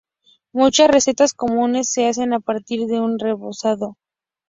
Muchas recetas comunes se hacen a partir de un rebozado.